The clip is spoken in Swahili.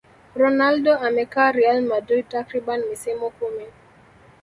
ronaldo amekaa real madrid takriban misimu kumi